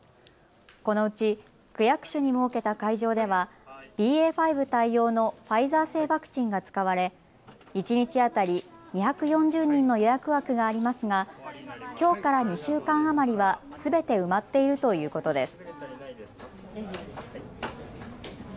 このうち区役所に設けた会場ではＢＡ．５対応のファイザー製ワクチンが使われ一日当たり２４０人の予約枠がありますがきょうから２週間余りはすべて埋まっているということです。